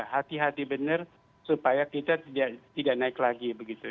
hati hati benar supaya kita tidak naik lagi begitu